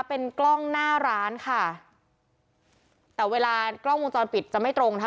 เป็นกล้องหน้าร้านค่ะแต่เวลากล้องวงจรปิดจะไม่ตรงนะคะ